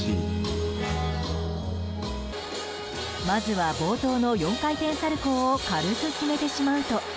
まずは冒頭の４回転サルコウを軽く決めてしまうと。